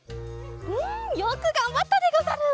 うんよくがんばったでござる！